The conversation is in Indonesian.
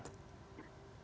tadi kalau itu kan di